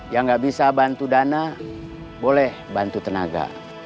yang gak bisa bantu dana boleh bantu tenaga